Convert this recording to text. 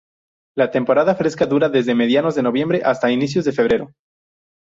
La temporada fresca dura desde mediados de noviembre hasta inicios de febrero.